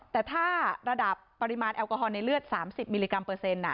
แต่ถ้าระดับปริมาณแอลกอฮอลในเลือด๓๐มิลลิกรัมเปอร์เซ็นต์